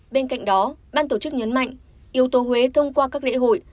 bên cạnh đó ban tổ chức nhấn mạnh yếu tố huế thông qua các lễ hội